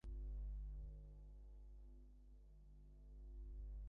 কোনোমতে সেটা কাটিয়ে জোর করে বলে ফেললুম, আজ খেতে আপনার দেরি হয়ে গেল।